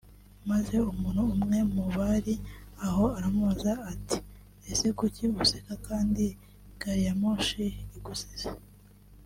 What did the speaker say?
Maze umuntu umwe mu bari aho aramubaza ati “ese kuki useka kandi gari ya moshi igusize